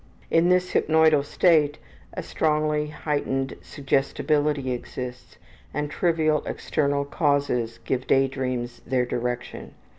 In this hypnoidal state a strongly heightened suggestibility exists and trivial external causes give daydreams their direction.